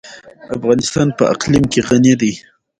افغانستان په اقلیم غني دی.